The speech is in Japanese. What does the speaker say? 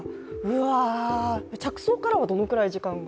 着想からはどれくらい時間が？